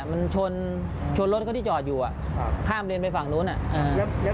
มันชนชนรถก็ที่จอดอยู่อ่ะค่ามเรนไปฝั่งโน้นอ่ะอือ